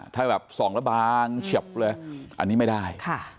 ถ้าแบบส่องระบางเฉียบเลยอันนี้ไม่ได้